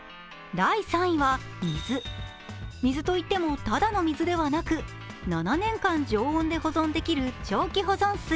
第３位は水、水といってもただの水ではなく７年間常温で保存できる長期保存水。